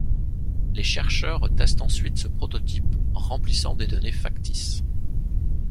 Les chercheurs testent ensuite ce prototype en remplissant des données factices.